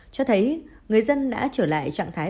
cho thấy người dân đã trở lại trạng thái